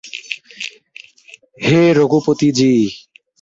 হে রঘুপতি জী!